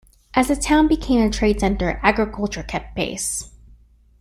As the town became a trade center, agriculture kept pace.